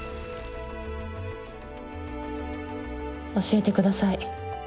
教えてください。